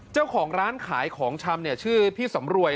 เจ้าของร้านขายของชำชื่อพี่สำรวย